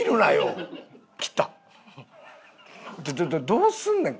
どうすんねん？